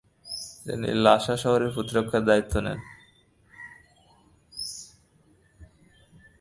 তিনি লাসা শহরের প্রতিরক্ষার দায়িত্ব নেন।